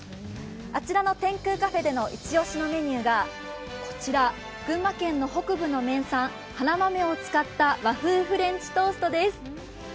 あちらの天空カフェでのイチ押しのメニューが、こちらこちら群馬県の北部の名産、花豆を使った和風フレンチトーストです。